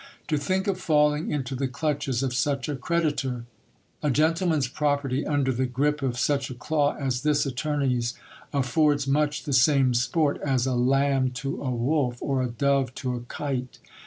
To think of falling into the clutches of such a creditor ! A gentleman's property under the gripe of such a claw as this attorney's affords much the same sport as a lamb to a wolf, or a dove to a kite.